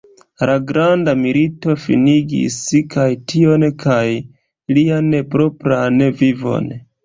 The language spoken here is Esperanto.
La Granda Milito finigis kaj tion kaj lian propran vivon.